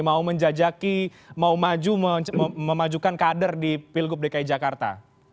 mau menjajaki mau maju memajukan kader di pilgub dki jakarta